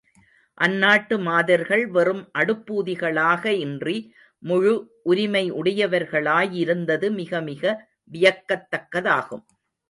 அந்நாட்டு மாதர்கள் வெறும் அடுப்பூதிகளாக இன்றி, முழு உரிமை உடையவர்களாய் இருந்தது மிகமிக வியக்கத்தக்கதாகும்.